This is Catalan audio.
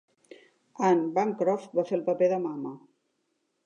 Anne Bancroft va fer el paper de Mama.